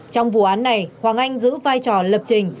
trong vụ án này hoàng anh giữ vai trò lập trình